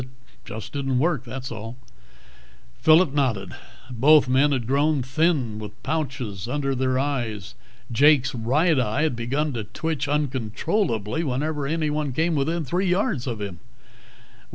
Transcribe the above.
"It just didn't work, was all." Phillip nodded. Both men had grown thin, with pouches under their eyes. Jake's right eye had begun to twitch uncontrollably whenever anyone came within three yards of him.